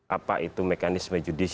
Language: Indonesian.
apa itu mekanisme judisi